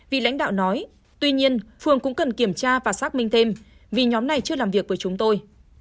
vì lãnh đạo nói tuy nhiên phường cũng cần kiểm tra và xác minh thêm vì nhóm này chưa làm việc với chúng tôi